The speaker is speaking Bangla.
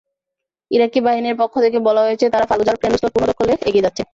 ইরাকি বাহিনীর পক্ষ থেকে বলা হয়েছে তাঁরা ফালুজার কেন্দ্রস্থল পুনর্দখলে এগিয়ে যাচ্ছে।